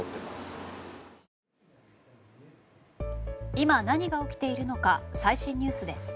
今、何が起きているのか最新ニュースです。